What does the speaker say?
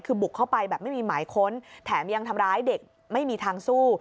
คือบุกเข้าไปแบบไม่มีหมายค้นแถมยังทำร้ายเด็กไม่มีทางสู้